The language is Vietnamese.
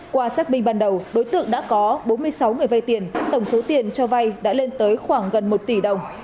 qua xác minh ban đầu đối tượng đã có bốn mươi sáu người vay tiền tổng số tiền cho vay đã lên tới khoảng gần một tỷ đồng